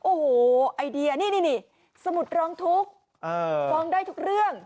โอ้โหไอเดียนี่สมุดร้องทุกข์ฟ้องได้ทุกเรื่อง